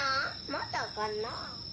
まだかなあ。